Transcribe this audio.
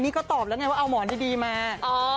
นี่ก็ตอบแล้วไงว่าเอาหมอนดีมา